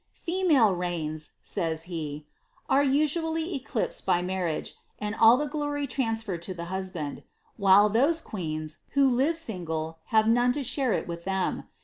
^ Female reigns," says he, ^^ are usually eclipsed by marriage, and all the glory transferred to the husband ; while those queens, who live single have none to share it with them.